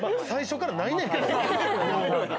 最初からないねん。